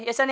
ya san ya